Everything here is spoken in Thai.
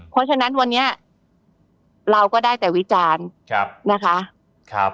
เพราะฉะนั้นวันนี้เราก็ได้แต่วิจารณ์นะคะ